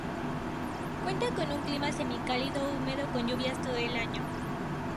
Cuenta con un clima semicálido húmedo con lluvias todo el año.